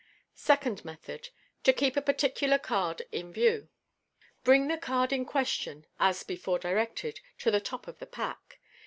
Second Method, (To keep a particular card in view.) — Bring the *4 MODERN MAGIC. card in question, as before directed, to the top of the pack.